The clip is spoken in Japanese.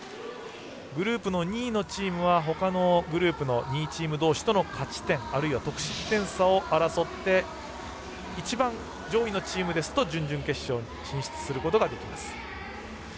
グループの２位のチームはほかのグループの２位チームどうしとの勝ち点あるいは得失点差を争って、一番上位のチームですと準々決勝進出することができます。